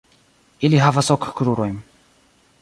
Ili havas ok krurojn.